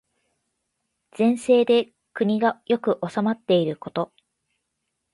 善政で国が良く治まっていること。